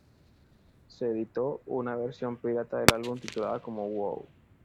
Se editó una versión pirata del álbum titulada como "Wow!